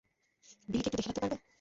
বিলিকে একটু দেখে রাখতে পারবে?